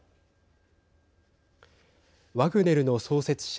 ワグネルの創設者